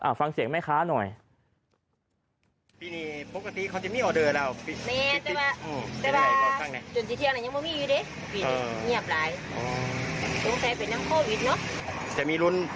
อ่าฟังเสียงแม่ค้าหน่อยปีนี้ปกติเขาจะมีออเดอร์แล้ว